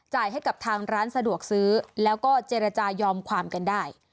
ให้กับทางร้านสะดวกซื้อแล้วก็เจรจายอมความกันได้